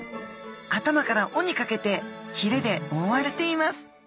頭から尾にかけてひれで覆われています。